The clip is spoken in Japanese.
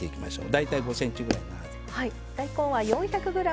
大体５ｃｍぐらいの長さ。